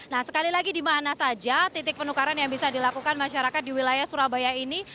nah sekali lagi di mana saja titik penukaran yang bisa dilakukan masyarakat di wilayah surabaya ini